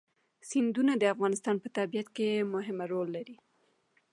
سیندونه د افغانستان په طبیعت کې مهم رول لري.